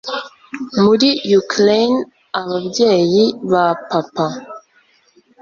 muri ukraine, ababyeyi ba papa